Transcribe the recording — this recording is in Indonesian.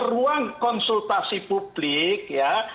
ruang konsultasi publik